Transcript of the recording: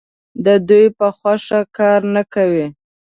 د دوی په خوښه کار نه کوي.